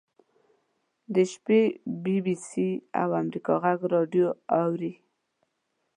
د شپې بي بي سي او امریکا غږ راډیو اوري.